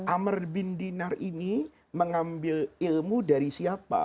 amr bin dinar ini mengambil ilmu dari siapa